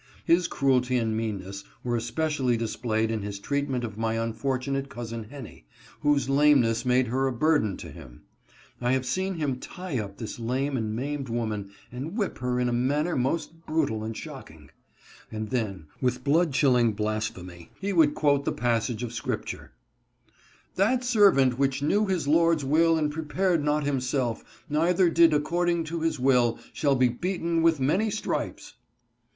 His cruelty and meanness were es pecially displayed in his treatment of my unfortunate cousin Henny, whose lameness made her a burden to him. I have seen him tie up this lame and maimed woman and whip her in a manner most brutal and shock ing ; and then with blood chilling blasphemy he would quote the passage of scripture, " That servant which knew his lord's will and prepared not himself, neither did according to his will, shall be beaten with many stripes.'